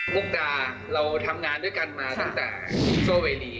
มุกดาเราทำงานด้วยกันมาตั้งแต่ซุปโซเวดี